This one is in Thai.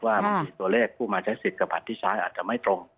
บางทีตัวเลขผู้มาใช้สิทธิ์กับบัตรที่ใช้อาจจะไม่ตรง